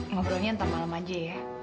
ngobrolnya ntar malam aja ya